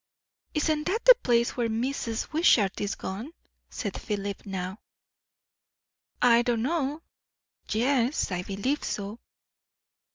"Isn't that the place where Mrs. Wishart is gone," said Philip now. "I don't know yes, I believe so."